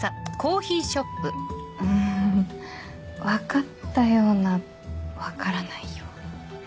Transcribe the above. うん分かったような分からないような。